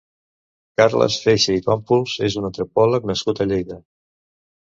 Carles Feixa i Pàmpols és un antropòleg nascut a Lleida.